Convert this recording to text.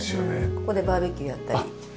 ここでバーベキューやったり家族で。